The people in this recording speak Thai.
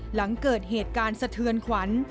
หลังเกิดเหตุการณ์สะเทือนขวัญ